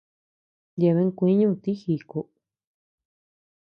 Yeaben kiuñú tï jiku.